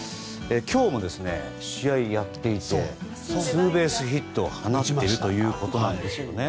今日も試合をやっていてツーベースヒットを放っているということです。